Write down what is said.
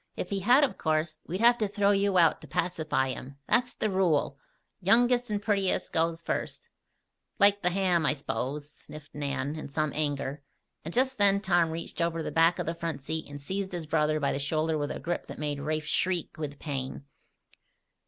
If he had, of course, we'd have to throw you out to pacify him. That's the rule youngest and prettiest goes first " "Like the ham, I s'pose?" sniffed Nan, in some anger, and just then Tom reached over the back of the front seat and seized his brother by the shoulder with a grip that made Rafe shriek with pain.